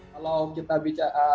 kalau kita bicara